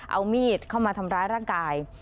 เอามีดเข้ามาทำร้ายร่างกาย